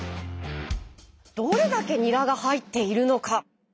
どれだけニラが入っているのか？